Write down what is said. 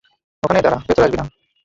ওখানেই দাঁড়া, ভেতরে আসবি না।